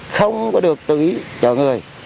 không có được tự ý cho người